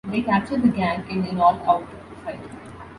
They capture the gang in an all-out fight.